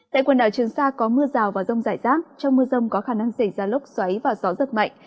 tại quần đảo trường sa có mưa rào và rông rải rác trong mưa rông có khả năng xảy ra lốc xoáy và gió giật mạnh